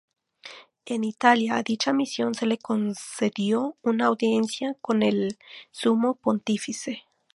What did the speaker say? En Italia, a dicha misión se le concedió una audiencia con el Sumo Pontífice.